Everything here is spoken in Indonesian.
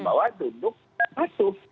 bahwa tunduk masuk